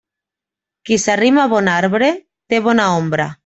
Qui s'arrima a bon arbre, té bona ombra.